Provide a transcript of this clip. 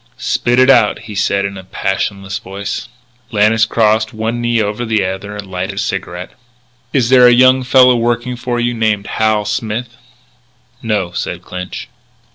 "Spit it out," he said in a passionless voice. Lannis crossed one knee over the other, lighted a cigarette: "Is there a young fellow working for you named Hal Smith?" "No," said Clinch.